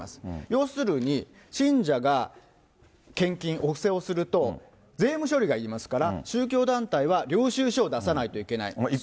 要するに、信者が献金、お布施をすると、税務処理がいりますから、宗教団体は領収書を出さないといけない。